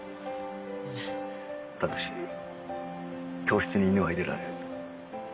ただし教室に犬は入れられん。